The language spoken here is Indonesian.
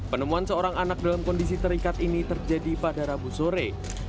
penemuan seorang anak dalam kondisi terikat ini terjadi pada rabu sore